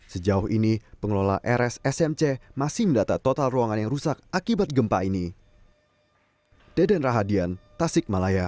sejauh ini pengelola rs smc masih mendata total ruangan yang rusak akibat gempa ini